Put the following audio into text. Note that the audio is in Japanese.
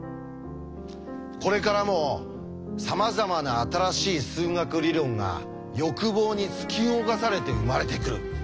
これからもさまざまな新しい数学理論が欲望に突き動かされて生まれてくる。